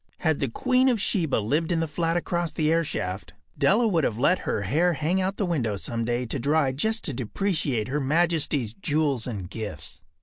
Had the queen of Sheba lived in the flat across the airshaft, Della would have let her hair hang out the window some day to dry just to depreciate Her Majesty’s jewels and gifts.